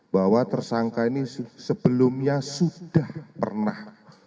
bahwa tersangka ini sebelumnya sudah pernah